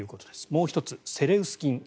もう１つ、セレウス菌。